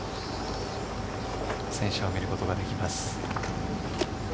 選手を見ることができます。